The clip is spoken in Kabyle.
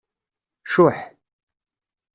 Cuḥ.